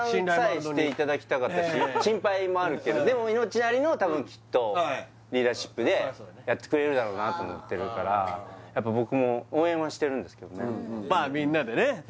やっぱ心配もあるけどでもイノッチなりの多分きっとリーダーシップでやってくれるだろうなと思ってるからやっぱ僕も応援はしてるんですけどねああ